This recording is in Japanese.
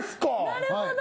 なるほど。